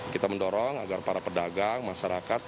kita mendorong agar para pedagang masyarakat